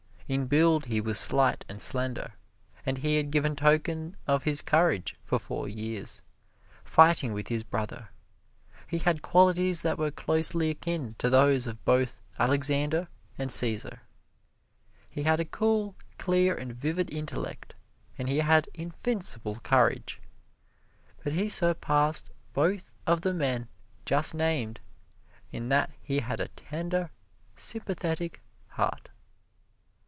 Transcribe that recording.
In build he was slight and slender, but he had given token of his courage for four years, fighting with his brother. He had qualities that were closely akin to those of both Alexander and Cæsar. He had a cool, clear and vivid intellect and he had invincible courage. But he surpassed both of the men just named in that he had a tender, sympathetic heart.